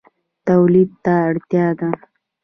تولید ته اړتیا ده